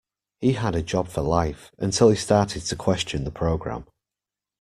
He had a job for life, until he started to question the programme